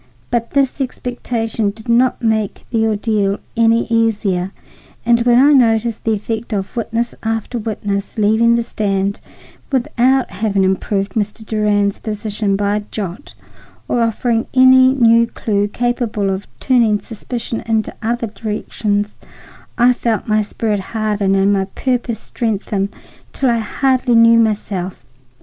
But this expectation did not make the ordeal any easier, and when I noticed the effect of witness after witness leaving the stand without having improved Mr. Durand's position by a jot or offering any new clue capable of turning suspicion into other directions, I felt my spirit harden and my purpose strengthen till I hardly knew myself.